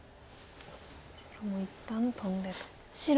白も一旦トンでと。